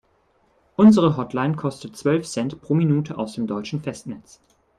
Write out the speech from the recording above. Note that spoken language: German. Unsere Hotline kostet zwölf Cent pro Minute aus dem deutschen Festnetz.